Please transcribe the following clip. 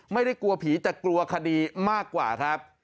ไม่ได้กลัวผีแต่กลัวคดีมากกว่าครับ